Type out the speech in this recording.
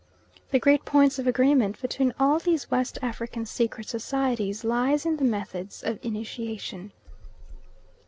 The great point of agreement between all these West African secret societies lies in the methods of initiation.